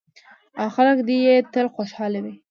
او خلک دې یې تل خوشحاله وي.